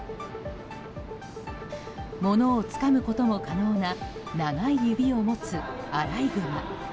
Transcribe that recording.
物をつかむことも可能な長い指を持つアライグマ。